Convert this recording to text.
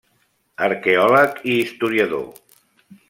Arqueòleg i historiador.